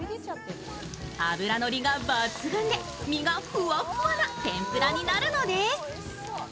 脂のりが抜群で、身がふわふわな天ぷらになるんです。